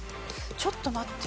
ちょっと待って。